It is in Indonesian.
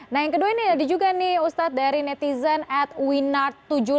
nah yang kedua ini ada juga nih ustaz dari netizen at winar tujuh puluh lima